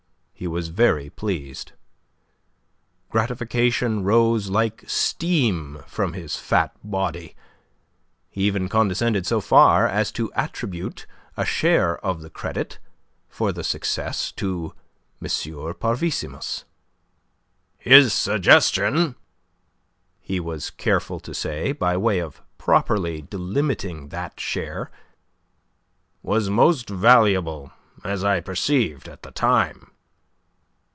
He was very pleased. Gratification rose like steam from his fat body. He even condescended so far as to attribute a share of the credit for the success to M. Parvissimus. "His suggestion," he was careful to say, by way of properly delimiting that share, "was most valuable, as I perceived at the time."